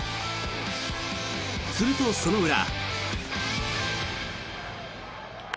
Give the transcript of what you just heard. すると、その裏。